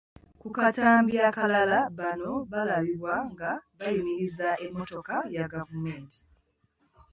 Ku katambi akalala bano balabibwa nga bayimiriza emmotoka ya gavumenti.